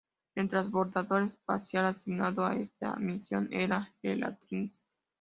El transbordador espacial asignado a esta misión era el Atlantis.